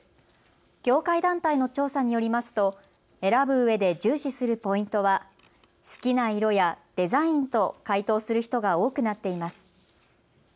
業界団体の調査によりますと選ぶうえで重視するポイントは好きな色やデザインと回答する人が多くなっています。